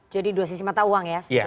jadi dua sisi mata uang ya sebetulnya